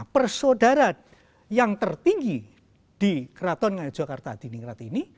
persaudara yang tertinggi di keraton ngaia jakarta dini kerati ini